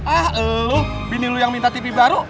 ah elo bini lo yang minta tv baru